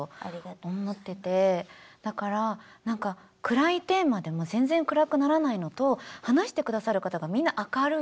だからなんか暗いテーマでも全然暗くならないのと話してくださる方がみんな明るい。